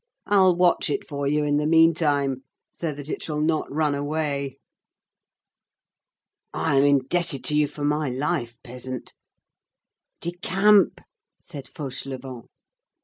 I'll watch it for you in the meantime, so that it shall not run away." "I am indebted to you for my life, peasant." "Decamp!" said Fauchelevent.